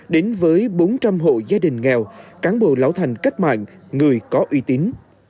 đến với bốn trăm linh hộ gia đình nghèo cán bộ lão thành cách mạng người có uy tín